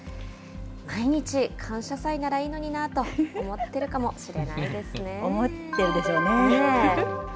毎日、感謝祭ならいいのになぁと思っているかもしれないですね。